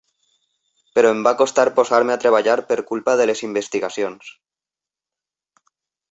Però em va costar posar-me a treballar per culpa de les investigacions.